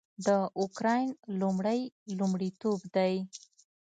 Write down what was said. د اوکراین لومړی لومړیتوب دی